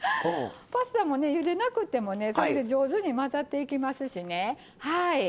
パスタもゆでなくても上手に混ざっていきますしね。